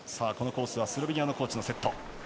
このコースはスロベニアのコーチのセット。